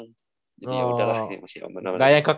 jadi ya udahlah ini masih